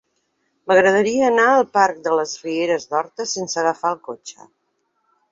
M'agradaria anar al parc de les Rieres d'Horta sense agafar el cotxe.